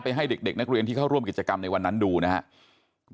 ให้เด็กนักเรียนที่เข้าร่วมกิจกรรมในวันนั้นดูนะครับ